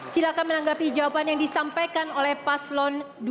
silahkan menanggapi jawaban yang disampaikan oleh paslon dua